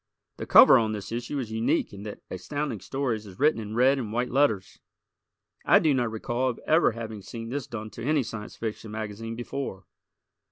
The cover on this issue is unique in that Astounding Stories is written in red and white letters. I do not recall of ever having seen this done to any Science Fiction magazine before.